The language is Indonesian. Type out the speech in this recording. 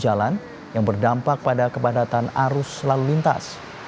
jalan yang berdampak pada kebadatan arus lalu lintas